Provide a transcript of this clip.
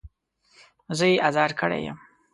زه يې ازار کړی يم.